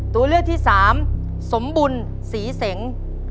ตัวเลือกที่สามสมบุญศรีเสง